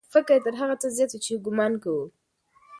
کېدای سي فقر تر هغه زیات وي چې ګومان کوو.